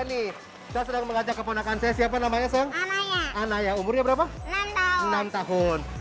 ini saya sedang mengajak keponakan saya siapa namanya soalnya ananya umurnya berapa enam tahun